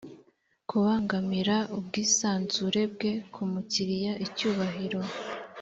kubangamira ubwisanzure bwe ku mukiriya icyubahiro